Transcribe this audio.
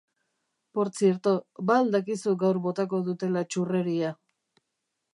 Portzierto, ba al dakizu gaur botako dutela txurreria?